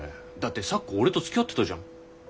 だって咲子俺とつきあってたじゃん。